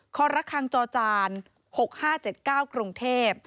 ครจ๖๕๗๙กรุงเทพฯ